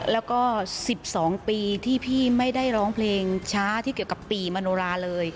แล้วก็๑๒ปีที่พี่ไม่ได้ร้องเพลงช้าที่เกี่ยวกับปีมโนราเลย